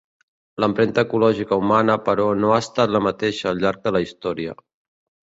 L'empremta ecològica humana però no ha estat la mateixa al llarg de la història.